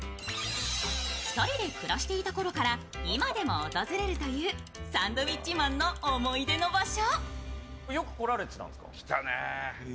２人で暮らしていたころから今でも訪れるというサンドウィッチマンの思い出の場所。